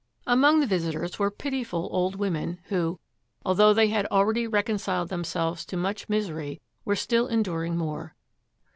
Among the visitors were pitiful old women who, although they had already reconciled themselves to much misery, were still enduring more.